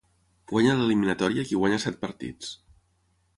Guanya l'eliminatòria qui guanya set partits.